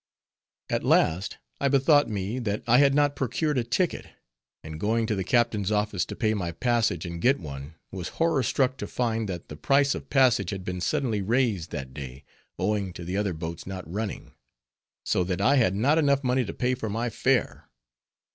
At last I bethought me, that I had not procured a ticket, and going to the captain's office to pay my passage and get one, was horror struck to find, that the price of passage had been suddenly raised that day, owing to the other boats not running; so that I had not enough money to pay for my fare.